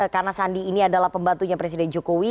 karena sandi ini adalah pembantunya presiden jokowi